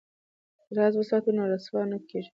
که راز وساتو نو رسوا نه کیږو.